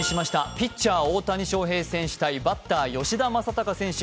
ピッチャー・大谷翔平選手対バッター・吉田正尚選手。